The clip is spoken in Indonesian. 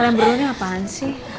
kalian berduanya apaan sih